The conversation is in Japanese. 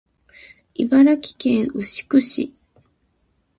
茨城県牛久市